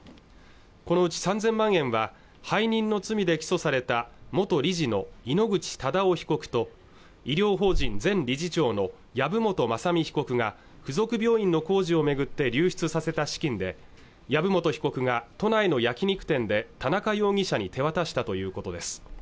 このうち３０００万円は背任の罪で起訴された元理事の井ノ口忠男被告と医療法人前理事長の藪本雅巳被告が付属病院の工事を巡って流出させた資金で籔本被告が都内の焼肉店で田中容疑者に手渡したということです